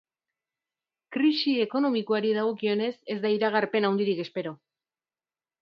Krisi ekonomikoari dagokionez, ez da iragarpen handirik espero.